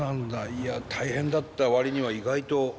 いや大変だった割には意外と冷静に。